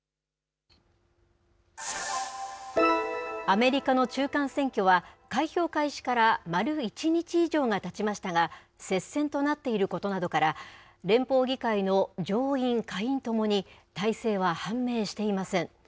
アメリカの中間選挙は、開票開始からまる１日以上がたちましたが、接戦となっていることなどから、連邦議会の上院、下院ともに大勢は判明していません。